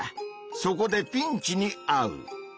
そこでピンチにあう！